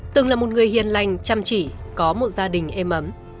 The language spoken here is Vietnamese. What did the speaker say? từng là một người hiền lành chăm chỉ có một gia đình êm ấm